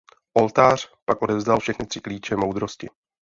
Oltář pak odevzdal všechny tři klíče moudrosti.